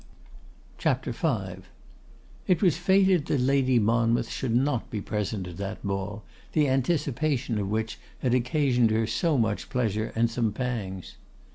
CHAPTER V. It was fated that Lady Monmouth should not be present at that ball, the anticipation of which had occasioned her so much pleasure and some pangs.